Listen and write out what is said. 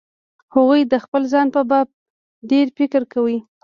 هغوی د خپل ځان په باب ډېر فکر کوي.